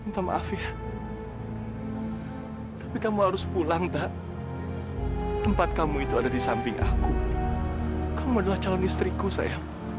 sampai jumpa di video selanjutnya